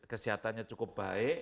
kesehatannya cukup baik